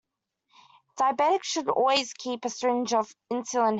Diabetics should always keep a syringe of insulin handy.